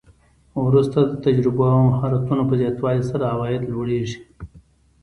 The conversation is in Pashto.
وروسته د تجربو او مهارتونو په زیاتوالي سره عواید لوړیږي